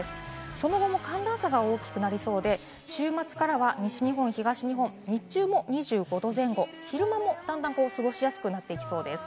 その後も寒暖差が大きくなりそうで、週末からは日中も２５℃前後、昼間もだんだん過ごしやすくなっていきそうです。